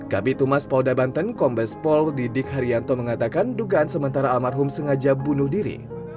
kabitumas polda banten kombes pol didik haryanto mengatakan dugaan sementara almarhum sengaja bunuh diri